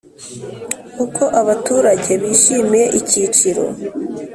Uko abaturage bishimiye icyiciro